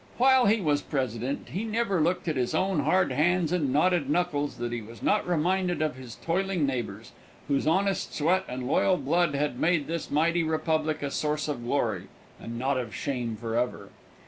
While he was president he never looked at his own hard hands and knotted knuckles that he was not reminded of his toiling neighbors, whose honest sweat and loyal blood had made this mighty republic a source of glory and not of shame forever.